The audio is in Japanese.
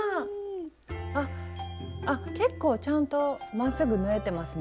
あ結構ちゃんとまっすぐ縫えてますね。